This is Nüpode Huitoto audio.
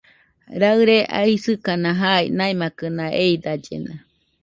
Raɨre aisɨkana jai, naimakɨna eidallena.